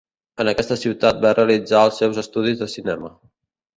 En aquesta ciutat va realitzar els seus estudis de cinema.